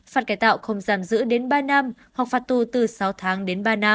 phạt cải tạo không giam giữ đến ba năm hoặc phạt tù từ sáu tháng đến ba năm